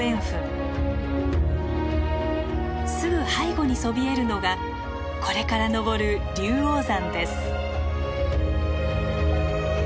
すぐ背後にそびえるのがこれから登る龍王山です。